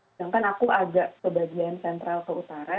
sedangkan aku agak sebagian sentral ke utara